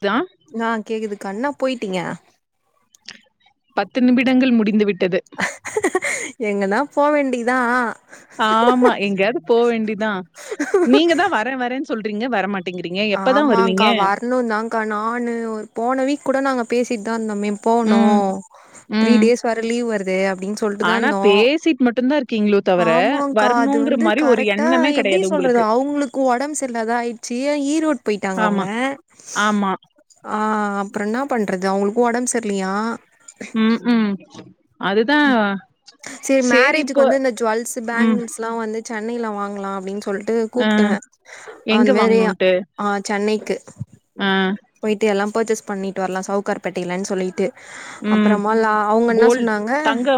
த ஆ கேக்குதுகா என்னா போயிட்டீங்க பத்து நிமிடங்கள் முடிந்து விட்டது எங்கன போ வேண்டி தா ஆமா எங்கேயாது போ வேண்டி தா நீங்க தா வரே வரேன்னு சொல்றீங்க வரமாட் டிங்கிறிங்க எப்ப தா வருவீங்க இன்னு தாங்க நானு ஒரு போன வீக் கூட நாங்க பேசிட்தா இந்தோமே போனு ம், த்ரீ டேஸ் வர லீவ் வருது அப்டின்னு சொல்ட்டு தா பேசிட் மட்டு தா இருக் ஆமாங்கா அது வந்து ஒரு கரெக்டா எண்ணமே எப்டி கிடையாது சொல்றது உங்களுக்கு. அவுங்களுக்கு ஒடம்பு சரில்லதாயி ச்சீ ஈரோட் போயிட்டாங்க ஆமா, அவுங்க ஆமா. ஆ அப்ற என்ன பண்றது அவுங்களுக்கு உடம்பு சரில்லயா ம் ம் அதுதான் செரி சரி மேரேஜுக்கு இப்போ வந்து இந்த ஜுவல்ஸ் ம், பேங்கிள்ஸ் லா வந்து சென்னைல வாங்கலா அப்டின்னு சொல்ட்டு அ கூப்ட அந்த எங்க மாரி ஆ சென்னைக்கு ஆ போயிட்டு எல்லா பர்ச்சேஸ் பண்ணிட்டு வரலா சவுக்கார் பேட்டைலன்னு சொல்லிட்டு ம். அப்றமாலா அவுங்க என்ன கோல்டு சொன்னாங்க தங்க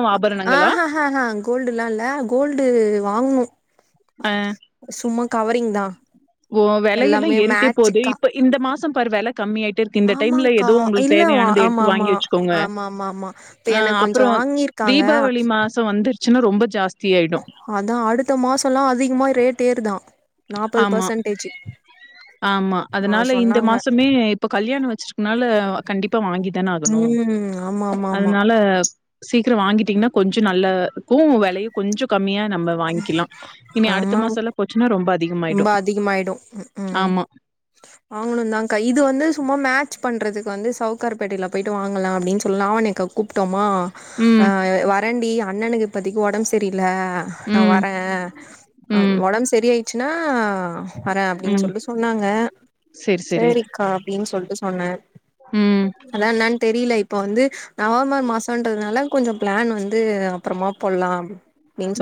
ஆ ஆபரணங்களா? ஹ ஆ ஹ கோல்டுல்லா இல்ல கோல்டு வாங்ணு ஆ சும்மா கவரிங் தா ஓ வெலயெல்லா எல்லாமே ஏறிட்டே போகுது மேட்சுக்கா இப்ப இந்த மாச பாரு வெல கம்மி ஆயிட்டே இருக்கு இந்த டைம்ல ஆமாக்கா ஏதோ உங்களுக்கு இல்ல தேவையானத ஆமா ஆமா எடுத்து வாங்கி வச்சுக்கோங்க ஆமா ஆமா ஆமா இப்ப அ எனக்கு கொஞ்சோ அப்றோ வாங்கிருக்காங்க தீபாவளி மாச வந்துருச்சுன்னா ரொம்ப ஜாஸ்திய ஆயிடு அதா அடுத்த மாசம்லா அதிகமா ரேட் ஏறு தா நாப்பது ஆமா, பர்செண்டேஜு ஆமா அதனால இந்த மாசமே இப்ப கல்யாண வச்சுருக்குனால கண்டிப்பா வாங்கி தான ஆகணு ஆமாம்மா அதனால சீக்கிரோ வாங்கிட்டீங்கன்னா கொஞ்சோ நல்லாருக்கு விலையு கொஞ்ச கம்மியா நம்ம வாங்கிக்கலா இனி ஆமா அடுத்த மாசல்லா போச்சுன்னா ரொம்ப அதிகமாயிடு ரொம்ப அதிகமாயிடு ஆமா வாங்கணு தான்க்கா இது வந்து சும்மா மேட்ச் பண்றதுக்கு வந்து சவுகார்பேட்டையில போயிட்டு வாங்கலாம் அப்படின்னு சொல்ல லாவன்யாக்கா கூப்ட்டோமா ம், வறண்டி ஆ அண்ணனுக்கு இப்பதைக்கு ஒடம்பு ச ரில நா ம், வரே ம், உடம்பு சரி ஆயிச்சுன்னா வரே அப்டின்னு ம். சொல்ட்டு சொன்னாங்க சரி, சரி. சேரிக்கா அப்டின்னு சொல்ட்டு சொன்ன ம் என்னான் தெரியல இப்ப வந்து நவம்பர் மாசன்றதுனால கொஞ்சோ பிளான் வந்து அப்றமா போடலா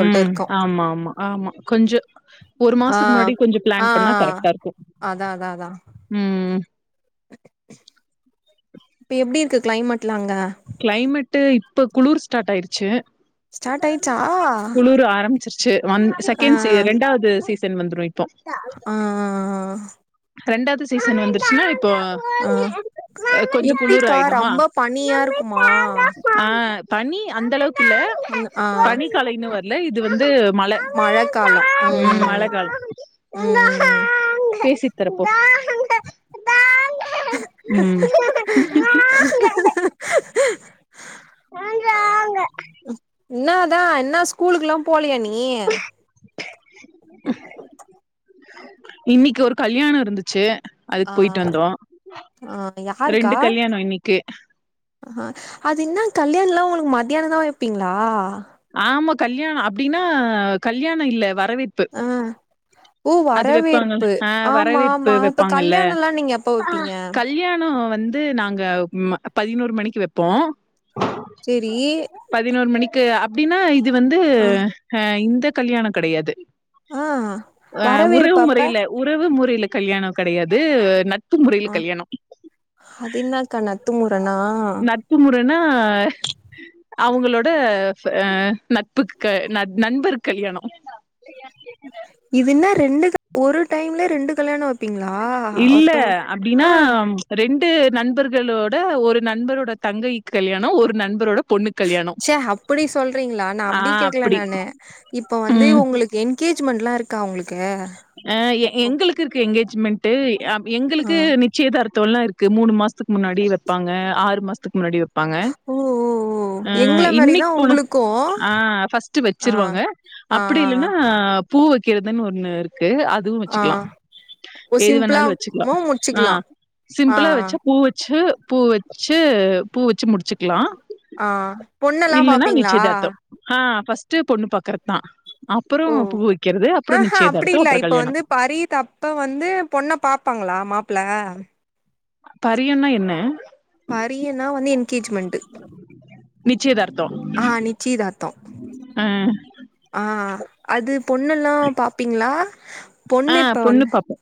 ம் ஆமாம்மா ஆமா கொஞ்சோ ஒரு ஆ மாசத்துக்கு முன்னாடி கொஞ்சோ பிளான் பண்ணா ஆ கரெக்டா இருக்கு அதா அதா அதா ம் இப்ப எப்டி இருக்கு கிளைமேட்லா அங்க கிளைமேட்டு இப்போ குளிர் ஸ்டார்ட் ஆயிருச்சு ஸ்டார்ட் ஆயிச்சா குளுரு ஆரம்பிச்சிருச்சு ஒன் ஆ செகண்ட்ஸ்ஸு ரெண்டாவ்து சீஸ் சன் வந்துடு இப்போ ஆ ரெண்டாவ்து சீசன் வந்துருச்சுன்னா இப்போ அ கொஞ்சோ குளுர் எப்டிக்கா ஆயிடுமா ரம்ப பனியா இருக்குமா ஆ பனி அந்தளவுக் இல்ல அந் ஆ பனி காலம் இன்னும் வர்ல இது வந்து மழ ம் மழக்காலம் ம் ம் ம் பேசி ட் தர்ற போ இல்ல தா இன்னா ஸ்கூலுக்லா போலியா நீ இன்னிக்கு ஒரு கல்யாணோ இருந்துச்சு ஆ அதுக் போயிட்டு வந்தோ ஆ ரெண்டு கல்யாணம் இன்னிக்கே அ அது இன்ன கல்யாண்ல்லா உங்ளுக் மத்தியானம் தா வெப்பீங்ளா ஆமா கல்யாணோ அப்டின்னா கல்யாணோ இல்ல வரவேப் ஆ ஓ வெப்பாங்கள்ல. வரவேற்பு ஆ வரவேற்பு இப்ப வெப்பாங்கள்ல. கல்யாணம்ல்லா நீங்க எப்ப வெப்பீங்க கல்யாணம் வந்து நாங்க பதினொரு மணிக்கு வெப்போ சேரி பதினொன் மணிக்கு அப்டின்னா இது வந்து ஆ அ இந்த கல்யாணம் கெடையாது ஆ அ உறவு வரவேற்பு அப்ப முறையில உறவு முறையில கல்யாணம் கடையாது நட்பு முறையில ஆ கல்யாணம் அது இன்னாக்கா நட்பு முறனா நட்பு முறன்னா அவங்களோட அ நட்புக்கு க நண் நண்பர்க்கு கல்யாணம் இதென்ன ரெண்டு ஒரு டைம்ல ரெண்டு கல்யாணம் இல்ல அப்டின்னா ரெண்டு நண்பர்களோட ஒரு நண்பரோட தங்கைக் கல்யாணம் ஒரு நண்பரோட பொண்ணுக் அப்படி சொல்றீங்ளா நா அப்டி கேக்கல நானு இப்ப வந்து ம். உங்ளுக் என்கேஜ்மெண்ட்லா இருக்கா உங்ளுக்கு ஆ எங்குளுக்கு இருக்கு என்கேஜ்மெண்ட்டு அ ஆ எங்குளுக்கு நிச் நிச்சயதார்த்தோலா இருக்கு மூணு மாஸ்த்துக்கு முன்னாடி வெப்பாங்க ஆறு மாஸ்த்துக்கு முன்னாடி வெப்பாங்க ஓ ஓ ஓ ம் எங்கள மாரிதா இன்னிக் போன உங்களுக்கு ஆ ஃபர்ஸ்ட்டு ஆ வெச்சிருவாங்க ஆ அப்படி ஆ இல்லன்னா பூ வெக்கிறதுன் ஒண்ணு இருக்கு அதுவும் ஆ வெச்சுக்லா ஓ எது வேணாலும் வெச்சுக்லா சிம்பிளாவு அ முடிச்சுக்கலா ஆ சிம்பிளா வெச்சா பூ வெச்சு பூ வெச் ச்சு பூ வெச்சு முடிச்சுக்லா ஆ பொண்ணுல்லா பாப்பீங்ளா நிச்சயதார்த்தம். ஆ ஃபர்ஸ்ட்டு பொண்ணு பாக்கற் தா ஓ அப்புறோம் பூ வெக்றது அப்புறம் ஆஹா நிச்சயதார்த் அப்படி இல்ல இப்ப வந்து பறி தப்ப வந்து பொண்ண பாப்பாங்ளா மாப்புள பரியன்னா என்ன பரியோன்னா வந்து என்கேஜ்ஜூமெண்ட்டு நிச்சயதார்த்தம். ஆ நிச்சிதாத்தோ அ, ஆ அது பொண்ணுல்லா பாப்பீங்ளா ஆ பொண்ணு பாப்போம்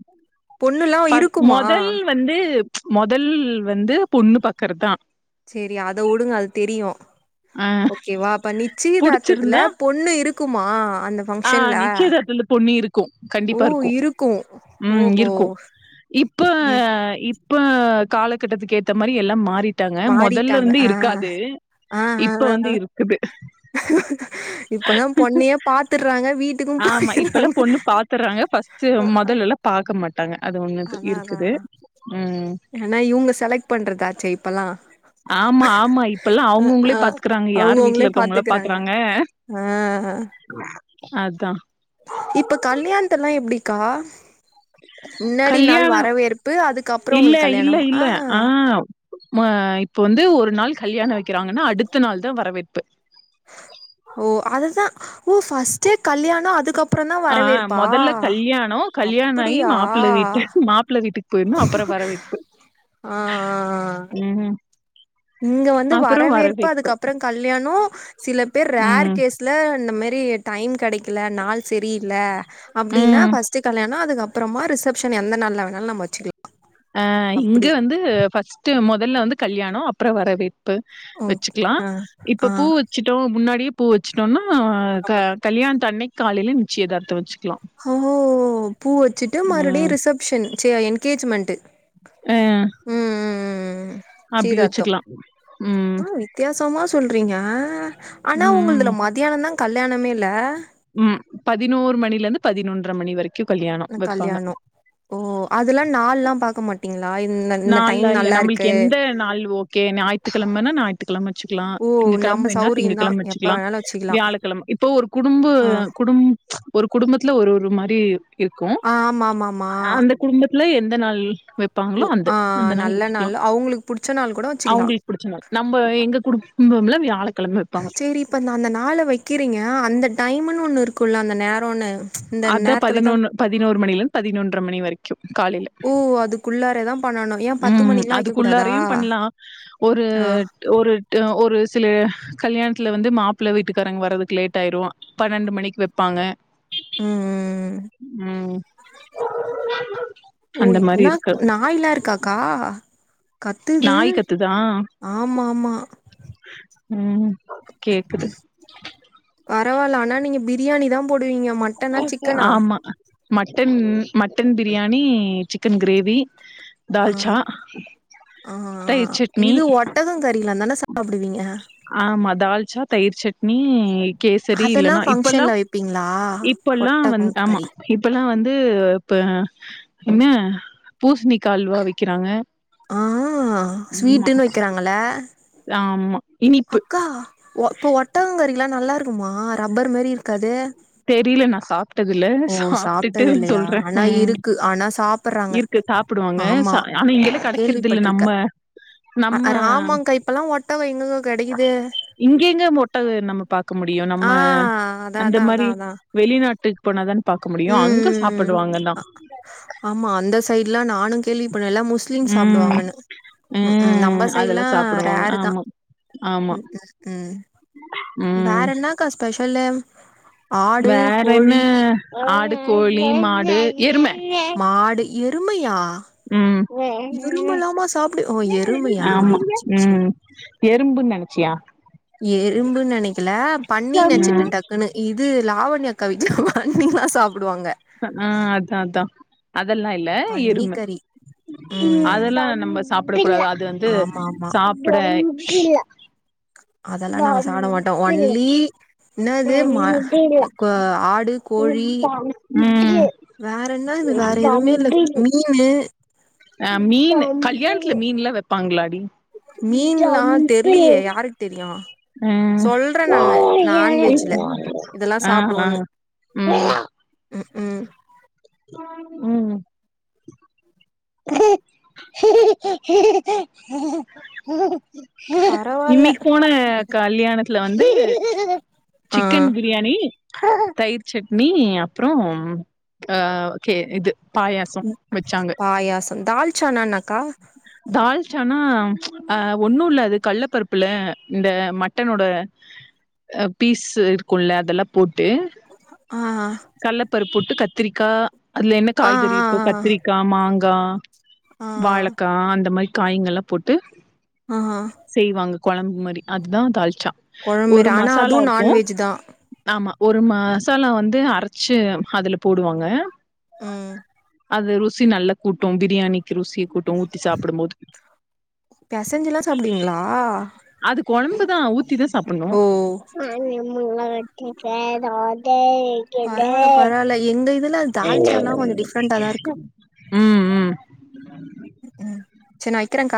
பொண்ணுல்லா இருக்குமா மொதல் வந்து மொதல் வந்து பொண்ணு பாக்கற் தா செரி அத உடுங்க அது தெரியும் அ ஓகே வா அப்ப நிச்சயதார்த்தத்துல புடிச்சிருந்தா பொண்ணு இருக் குமா ஆ நிச்சயதர்த்துல பொண்ணு இருக்கும் ஓ கண்டிப்பா இருக்கும் இருக்கு ம் ஓஹோ இருக்கும் இப்ப ம் இப்ப காலகட்டத்துக்கு ஏத்த மாரி எல்லா மாறி ட்டாங்க மொதல்ல மாறிட்டாங்க வந்த ஆ இருக்காது இப்ப வந்து இருக்குது இப்பதா பொண்ணையா பாத்துர்றாங்க வீட் ஆமா இப்ப எல்லா பொண்ணு பாத்துர்றாங்க ஃபஸ்ட்டு மொதல்லெல்லா பாக்க மாட் மாட்டாங்க அது ஒண்ணுது இருக்குது ம் ம் ஆனா இவுங்க செலக்ட் பண்றதாச்சே இப்பெல்லா ஆம்மா ஆமா இப்பல்லா அவுங்கவுங்களே ஆ பாத்துக்குறாங்க யார் வீட்ல இருக்கவங்கல்லா பாக்குறாங்க அ ஹ அதா இப்ப கல்யாணத்தல்லா எப்டிக்கா முன்னாடி நாள் கல்யாணோ வரவேற்பு அதுக்கப்பறமோ அவுங்களுக்கு கல்யாணம் அ ஹ ஹா ம்ம இப்ப வந்து ஒரு நாள் கல்யாணோ வெக்கிறாங்கன்னா அடுத்த நாள் தா வரவேற்பு ஓ அதுதா ஓ ஃபஸ் ஸ்ட்டு கல்யாணோ அதுக்கப்றோந்தா ஆ வரவேற்பா மொதல்ல கல்யாணோ கல்யாணோ அப்புடியா இப்ப இன்னா அப்பறோ வரவேற்பு ஆ ஆ ஆ ம் இங்க வந்து வரவேற்பு அதுக்கப்பறோ கல்யாணோ சில பேர் ரேர் ம் கேஸ் ல்ல இந்த மாரி டைம் கெடைக்ல நாள் செரியில்ல அப்டின்னா ம் பஸ்ட்டு கல்யாணோ அதுக்கப் அப்பறமா ரிசப்ஷன் எந்த நாள் வேணாலு நம் வச்சுக்கில் அ இங்க வந்து ஃபர்ஸ்ட்டு மொதல்ல வந்து கல்யாணோ அப்றோ வரவேற் ப்ப ஓ வச்சுக்லா ஆ இப்ப ஆ பூ வச் வச்சட்டோ முன்னாடியே பூ வச்சுட்டோன்னா க கல்யாணத் அன்னைக் காலையில நிச்சியதார்த்தோ வச்சுக்லா ஹோ பூ வச்சுட்டு மறுபடியு ம். ரிசப்ஷன் சு என்கேஜ்மெண்ட்டு எ ஆ ம் ம் ம் ம் நிச்சியதார்த்தோ வச்சுக்கலாம். ம். வித்தியாசமா சொல்றீங்க ஆனா ம். உங்கள்துல மத்தியானந்தா கல்யாணமேல்ல ம் பதினோரு மணில இருந்து பதினொன்றர மணி வரைக்கு க்கு கல்யாணோ ஓ அதெல்லா நாள்லா பாக்க மாட் நாள்லா இல்ல நம்மளுக்கு எந்த நாள் ஓகே ஞாய்த்துக் கெழமன்னா ஞாத் த்து கெழம வச்சுக்லா ஓ திங்க கெழம்ப நம்ம வேண்ணா திங்க சௌரியந்தா கிழம எப்ப வச்சுக்லா வேணாலு வச்சுக்கலா வியாழக்கெழம இப்போ ஒரு குடும்ப ஆ குடும் ஒரு குடும்பத்துல ஒரு ஒரு மாரி இருக்கு ஆ ஆமா ஆமா ஆமா ஆனா வந்துட் குடும்பத்துல எந்த நாள் வெப்பாங்களோ ஓ அந்த ஆ அந்த நாள் நல்ல வச்சுக்லா அவங்களுக்கு புடிச்ச நாள் கூட வச்சுக்கலா அவுங்களுக்கு புடிச்ச மாரி நம்ப எங்க குடும்பம்ல வியாழக்கெழம வெப்பாங்க இப்போ நா அந்த நாள வெக்கிறீங்க அந்த டைமுன் ஒன்னு இருக்குல்ல அந்த நேரோன்னு இந்த அதா நேரத்துலதா பதினொன்னு பதினோரு மணிலருந் பதினொன்ற மணி வரைக்கு காலேல ஓ அதுக்குள்ளாரதா பண்ணணு ஏ பத்து ம் ம் மணிக்குலா வைக்க கூடாதா அதுக்குள்ளாரையு பண்லா ஒரு ஆ ஒரு ட்டோ ஒரு சில கல்யாணத்துல வந்து மாப்ள வீட்டுகாரங்க வர்றதுக்கு லேட் ஆயிரு பன்னெண்டு மணிக்கு வெப்பாங்க ம் ம் ம் ஓ அந்த மாரி இதுன்னா இருக்கு நாய்லா இருக்காக்கா கத்துது நாய் கத்துதா ஆமாம்மா ம் கேக்குது பரவால்ல ஆனா நீங்க பிரியாணி தா போடுவீங்க மட்டனா சிக்கனா ஆமா mutton mutton biryani chicken gravy அ தால்ச்சா ஆ ஆ தயிர் சட்னி இது ஒட்டக கறிலா தானே சாப்டுவீங்க ஆமா தால்ச்சா தயிர் சட்னி கேசரி அதெல்லா இல்லனா இப்பல்லா ஃபங்க்ஷன்ல வைப்பீங்களா இப்பல்லா ஒட்டகோ வந்து ஆமா கறி இப்பல்லா வந்து இப்ப இன்னு பூஸ்ணிக்கா அல்வா விக்கிறாங்க ஆ உம் ஆ ஸ்வீட்டுன்னு வைக்கிறாங்கள ஆமா இனிப்பு அக்கா ஒ இப்போ ஒட்டகங்கறிலா நல்லா இருக்குமா ரப்பர் மாரி இருக்காது தெரில நா சாப்டதுல்ல ஓ சாப்ட்டுட்டு சாப்ட்டது இல்லையா சொல்றே ஆனா உம் இருக்கு ஆனா சாப் இருக்கு சாப்டுவாங்க சா ஆனா இங்கில்லா கடைக்கிறதுல்ல நம்ம ஆ நம்ம ஆ ராமாங்கா இப்பல்லா ஒட்டகோ எங்கக்க கெடைக்குது இங்கெங்க ம் ம ஒட்டகோ நம்ம பாக்க முடியு நம்ம ஆ அதா அந்த அதா அதா மாரி அதா வெளிநாட்டுக்கு போனாதான பாக்க முடியு ம் அங்க ம் சாப்புடுவாங்க தா ஆமா அந்த சைட்லா நானு கேள்விப்பட் எல்லா முஸ் லீம் ம் சாப்டுவாங்கனு நம்ப ம் சைட்லா அதெல்லா சாப்டுவாங்க ரெரு தா ஆமா ஆமா உம் உம் உம் ம் வேற என்னக்கா ஸ்பெஷலு ஆடு வேற என்ன கோழி ஆடு கோழி மாடு எரும மாடு எருமையா உம் எருமலாமா சாப்டு ஓ எருமையா ஆமா சேர் சேர் உம் எறும்புன் நெனச்சியா எறும்புன் நெனைக்கல பண்ணின் நெனச்சிட்டே ம் டக்குனு இது லாவண்யா அக்கா வீட்ல பண்ணிலா சாப்டுவாங்க அ அ அதா அதா அதெல்லா இல்ல பன்னி எரும கறி ம் அதெல்லா நம்ப சாப்டக்கூடாது இது வந்து ஆமா ஆமா சாப்ட அதெல்லா நாங்க சாப்ட மாட்டோ ஒன்லி ன்னது ம க ஆடு கோழி ம் வேற இன்னது வேற எதுவுமே இல்ல மீனு அ மீனு கல்யாண்துல மீன்லா வெப்பாங்ளாடி மீன்லா தெர்லியே யாருக் தெரியு ம் சொல்ற நானு நான்வெஜ்ல இதலா ஆ ஆ சாப்டுவோனு ம் ம் உம் பரவால்ல இன்னிக் போன கல்யாணத்துல வந்து ஆ சிக்கன் பிரியாணி தயிர் சட்னி அப்றோ ஆ ஓககே இது பாயாசோ வெச்சாங்க தால்ச்சானா என்னகா தால்ச்சானா அ ஒன்னு இல்ல அது கள்ள பருப்புல இந்த மட்டனோட பீஸ் இருக்குல அதெல்லா போட்டு ஆ கல்லப்பருப்பு போட்டு கத்திரிக்கா அதுல என்ன ஆ ஆ காய்கறி இருக்கு கத்திரிக்கா மாங்கா ஆ ஆ வாழக்கா அந்த மாரி காய்ங்கெல்லா போட்டு ஆ ஆ செய்வாங்க கொழம்பு மாரி அதுதா தால்ச்சா கொழம்பு மாரி ஒரு ஆனா மசாலா அதுவு இருக்கு நண்வெஜ் தா ஆமா ஒரு மசாலா வந்து அரச்சு அதுல போடுவாங்க ம் அது ருசி நல்லா கூட்டும் பிரியாணிக்கு ருசிய கூட்டு ஊத்தி சாப்புடும்போது பெசஞ்செல்லா சாப்டுவீங்ளா அது குழம்பு தான் ஊத்தி தான் சாப்பிடணும். ஓ [unintelligible] [unintelligible] பரவால்ல பரவால்ல எங்க இதுல தால்ச்சாலா கொஞ்சோ டிஃப்ரெண்டா தா இருக்கு ம் ம் ம் செர் நா வெக்கிறங்கா